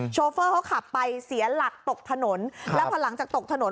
โฟเฟอร์เขาขับไปเสียหลักตกถนนแล้วพอหลังจากตกถนน